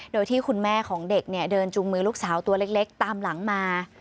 โดยที่คุณแม่ของเด็กเดินจูงมือลูกสาวตัวเล็กตามหลังมา